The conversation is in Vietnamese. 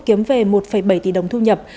kiếm về một bảy tỷ đồng thu nhập